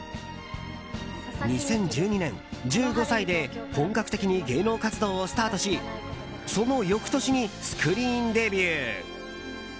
２０１２年、１５歳で本格的に芸能活動をスタートしその翌年にスクリーンデビュー。